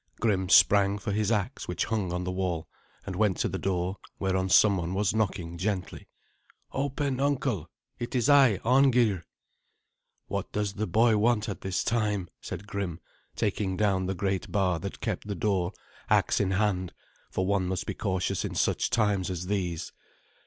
Grim sprang for his axe, which hung on the wall, and went to the door, whereon someone was knocking gently. "Open, uncle; it is I, Arngeir." "What does the boy want at this time?" said Grim, taking down the great bar that kept the door, axe in hand, for one must be cautious in such times as these.